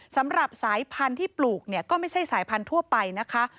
สำหรับสายพันธุ์ที่ปลูกเนี่ยก็ไม่ใช่สายพันธุไปนะคะ